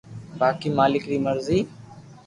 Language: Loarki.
باقي مالڪ ري مرزي